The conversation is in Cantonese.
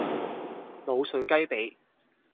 滷水雞脾